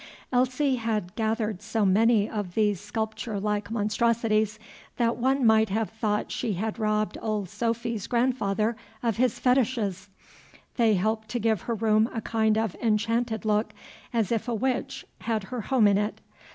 Elsie had gathered so many of these sculpture like monstrosities, that one might have thought she had robbed old Sophy's grandfather of his fetishes. They helped to give her room a kind of enchanted look, as if a witch had her home in it.